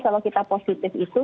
kalau kita positif itu